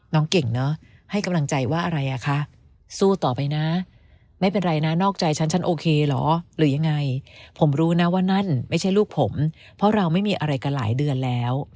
น้องเก่งเนอะให้กำลังใจว่าอะไรอ่ะคะสู้ต่อไปนะไม่เป็นไรนะนอกใจฉันฉันโอเคเหรอหรือยังไงผมรู้นะว่านั่นไม่ใช่ลูกผมเพราะเราไม่มีอะไรกันหลายเดือนแล้ว